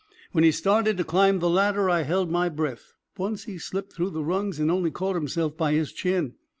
When he started to climb the ladder I held my breath; once he slipped through the rungs and only caught himself by his chin.